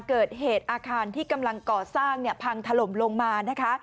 เกิดเหตุอาคารที่กำลังก่อสร้างเนี่ยพังถล่มลงมานะคะ